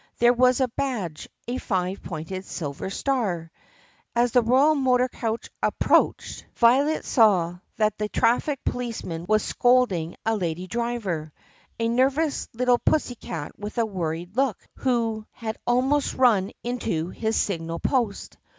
there was a badge, a five pointed silver star. As the royal motor coach approached, Violet saw that the traffic policeman was scolding a lady driver — a nervous little pussycat with a worried look — who had almost run into his signal post.